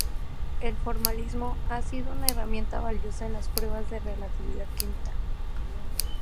El formalismo ha sido una herramienta valiosa en las pruebas de relatividad general.